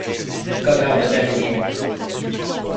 Connards de Parisiens.